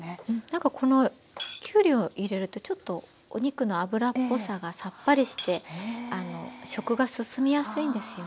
なんかこのきゅうりを入れるとちょっとお肉の脂っぽさがさっぱりして食が進みやすいんですよね。